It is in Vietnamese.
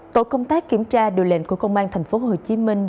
tổ công tác kiểm tra điều lệnh của công an thành phố hồ chí minh